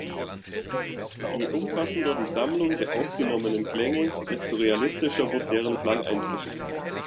Je umfassender die Sammlung der aufgenommenen Klänge, desto realistischer wird deren Klangeindruck.